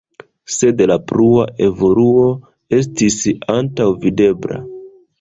Sed la plua evoluo estis antaŭvidebla.